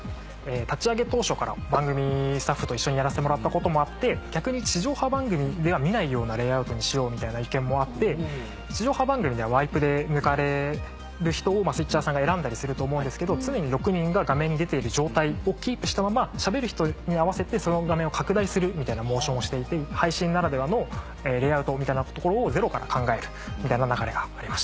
立ち上げ当初から番組スタッフと一緒にやらせてもらったこともあって逆に地上波番組では見ないようなレイアウトにしようみたいな意見もあって地上波番組ではワイプで抜かれる人をスイッチャーさんが選んだりすると思うんですけど常に６人が画面に出ている状態をキープしたまましゃべる人に合わせてその画面を拡大するみたいなモーションをしていて配信ならではのレイアウトみたいなところをゼロから考えるみたいな流れがありました。